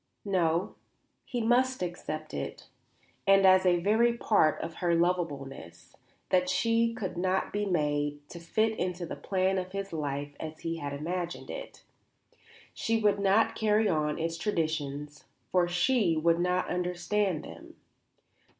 No; he must accept it, and as a very part of her lovableness, that she could not be made to fit into the plan of his life as he had imagined it. She would not carry on its traditions, for she would not understand them.